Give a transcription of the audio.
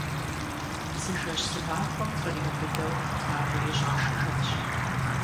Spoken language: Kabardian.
Зы жэщ зы махуэм къриубыдэу къакӏуэри щӏашыжащ.